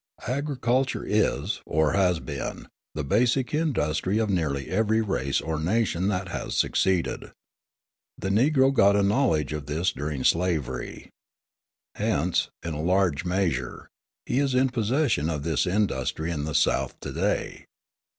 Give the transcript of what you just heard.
Agriculture is, or has been, the basic industry of nearly every race or nation that has succeeded. The Negro got a knowledge of this during slavery. Hence, in a large measure, he is in possession of this industry in the South to day.